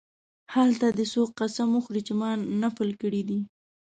هلته دې څوک قسم وخوري چې ما نفل کړی دی.